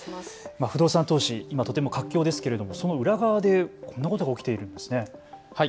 不動産投資、今とても活況ですがその裏側でこんなことが起きているんですね。